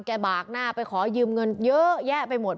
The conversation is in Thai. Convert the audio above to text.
บากหน้าไปขอยืมเงินเยอะแยะไปหมด